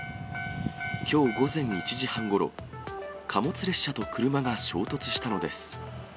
きょう午前１時半ごろ、貨物列車と車が衝突したのです。